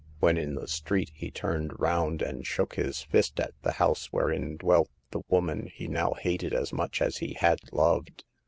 When in the street, he turned round and shook his fist at the house wherein dwelt the woman he now hated as much as he had loved.